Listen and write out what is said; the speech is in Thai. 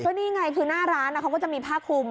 นี่ไงคือหน้าร้านเขาก็จะมีผ้าคลุม